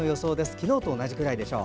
昨日と同じくらいでしょう。